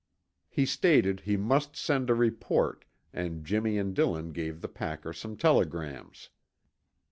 He stated he must send a report, and Jimmy and Dillon gave the packer some telegrams.